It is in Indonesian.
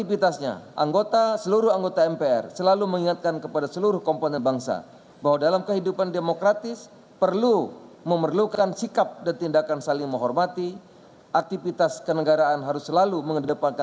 via benevol glance mulut wawancara hubungan memiliki ke stuff pastor yang menyebutex division berima mama